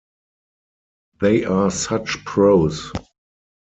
They are such pros.